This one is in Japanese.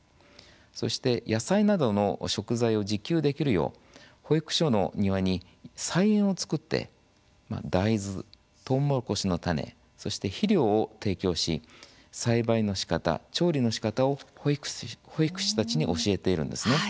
そして、野菜などの食材を自給できるよう保育所の庭に菜園を作って大豆、とうもろこしの種そして肥料を提供し栽培のしかた、調理のしかたを保育士たちに教えているんですね。